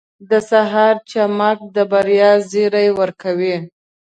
• د سهار چمک د بریا زیری ورکوي.